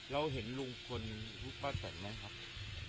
แล้วเห็นลุงคุณวุฒิ้นป้าแต่นไหมครับ